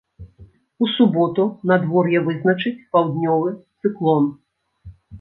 У суботу надвор'е вызначыць паўднёвы цыклон.